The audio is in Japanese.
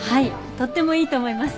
とってもいいと思います。